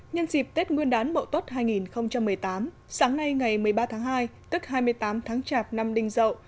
nhân dịp tết nguyên đán mậu tốt hai nghìn một mươi tám sáng nay ngày một mươi ba tháng hai tức hai mươi tám tháng chạp năm đinh dậu